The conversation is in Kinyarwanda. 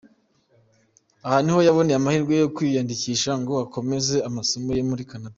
Aha ni naho yaboneye amahirwe yo kwiyandikisha ngo akomeze amasomo ye muri Canada.